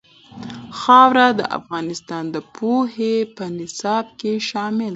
خاوره د افغانستان د پوهنې په نصاب کې شامل دي.